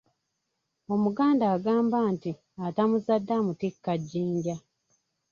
Omuganda agamba nti "Atamuzadde amutikka jjinja".